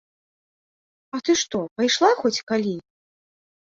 А ты што, пайшла хоць калі?